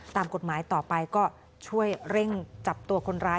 ตามกฎหมายต่อไปก็ช่วยเร่งจับตัวคนร้าย